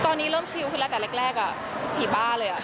ตอนนี้เริ่มชิลขึ้นแล้วแต่แรกผีบ้าเลย